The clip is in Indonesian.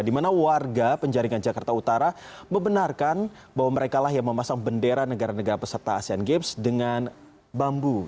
di mana warga penjaringan jakarta utara membenarkan bahwa mereka lah yang memasang bendera negara negara peserta asian games dengan bambu